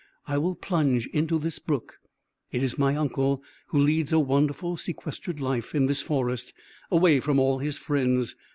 I will plunge into this brook; it is my uncle, who leads a wonderful, sequestered life in this forest, away from all his friends.